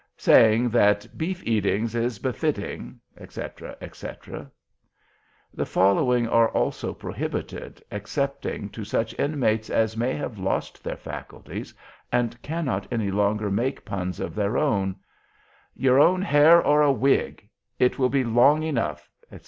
Saying that beef eating is befitting, etc., etc. The following are also prohibited, excepting to such Inmates as may have lost their faculties and cannot any longer make Puns of their own: "——your own hair or a wig"; "it will be long enough," etc.